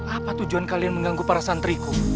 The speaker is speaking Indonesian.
apa tujuan kalian mengganggu para santriku